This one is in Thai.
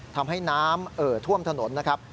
ทำให้น้ำเอ่อท่วมถนนนะครับ